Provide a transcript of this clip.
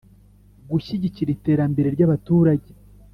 gushyigikira iterambere ry abaturage